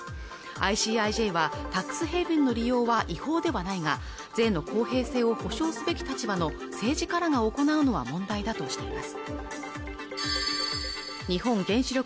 ＩＣＩＪはタックスヘイブンの利用は違法ではないが税の公平性を保証すべき立場の政治家らが行うのは問題だとしています